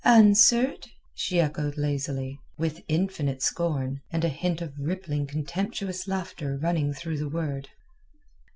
"Answered?" she echoed lazily, with infinite scorn and a hint of rippling contemptuous laughter running through the word.